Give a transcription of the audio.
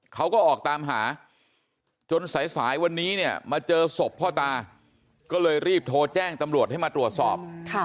เขาก็ออกตามหาจนสายวันนี้เนี่ยมาเจอศพพ่อตาก็เลยรีบโทรแจ้งตำรวจให้มาตรวจสอบ